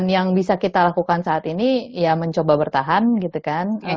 yang bisa kita lakukan saat ini ya mencoba bertahan gitu kan